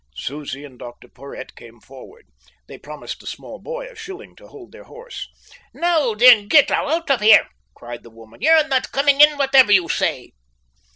Susie and Dr Porhoët came forward. They promised the small boy a shilling to hold their horse. "Now then, get out of here," cried the woman. "You're not coming in, whatever you say."